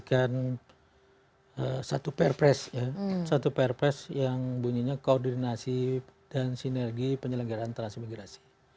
menjadikan satu purpose yang bunyinya koordinasi dan sinergi penyelenggaraan transmigrasi